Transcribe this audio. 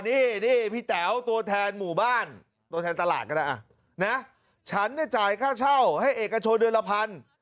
นี่พี่แต๋วตัวแทนหมู่บ้านตัวแทนตลาดก็ได้นะฉันเนี่ยจ่ายค่าเช่าให้เอกชนเดือนละพัน